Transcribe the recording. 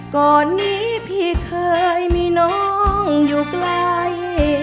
ก่อนนี้พี่เคยมีน้องอยู่ใกล้